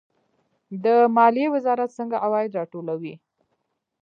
د مالیې وزارت څنګه عواید راټولوي؟